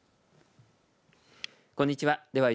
こんにちは。